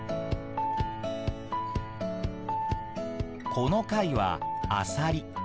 この貝はアサリ。